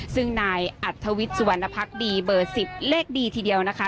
ซึ่งนายอัธวิทย์สุวรรณภักดีเบอร์๑๐เลขดีทีเดียวนะคะ